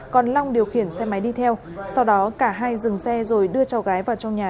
còn long điều khiển xe máy đi theo sau đó cả hai dừng xe rồi đưa cháu gái vào trong nhà